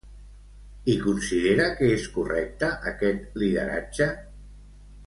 I considera que és correcte, aquest lideratge?